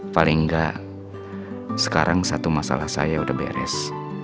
paling gak sekarang satu masalah saya udah beres